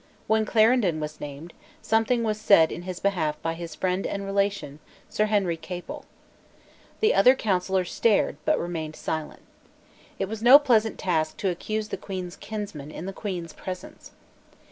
When Clarendon was named, something was said in his behalf by his friend and relation, Sir Henry Capel. The other councillors stared, but remained silent. It was no pleasant task to accuse the Queen's kinsman in the Queen's presence.